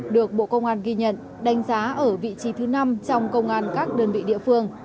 được bộ công an ghi nhận đánh giá ở vị trí thứ năm trong công an các đơn vị địa phương